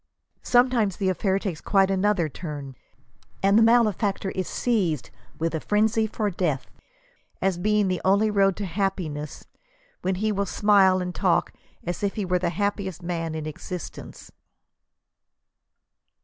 Some times the affair takes quite another turn, and the malefactor is seized with a frenzy for death, as being the only road to hap piness, when he will smile and talk as if he were the happiest man in. existence."